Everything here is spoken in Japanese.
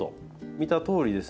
見たとおりですね